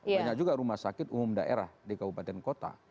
banyak juga rumah sakit umum daerah di kabupaten kota